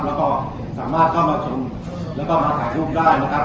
แล้วก็สามารถเข้ามาชมแล้วก็มาถ่ายรูปได้นะครับ